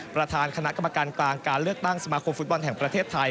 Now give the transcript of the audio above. ประธานคณะกรรมการกลางการเลือกตั้งสมาคมฟุตบอลแห่งประเทศไทย